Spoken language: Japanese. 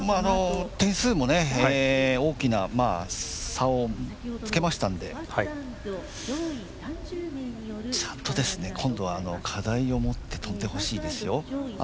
点数も大きな差をつけましたのでちゃんと今度は課題を持って飛んでほしいですよ。